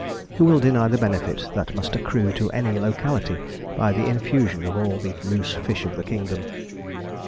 Who will deny the benefit that must accrue to any locality by the infusion of all the loose fish of the kingdom?